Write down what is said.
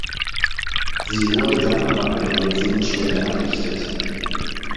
Sie wurde dann aber an der jetzigen Stelle errichtet.